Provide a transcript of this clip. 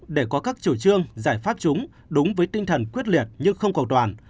để có các chủ trương giải pháp chúng đúng với tinh thần quyết liệt nhưng không cầu toàn